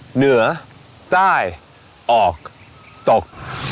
เหนือใต้ออกตก